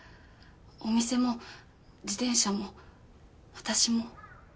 お店も自転車も私も。